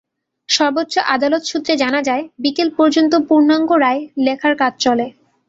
সর্বোচ্চ আদালত সূত্রে জানা যায়, বিকেল পর্যন্ত পূর্ণাঙ্গ রায় লেখার কাজ চলে।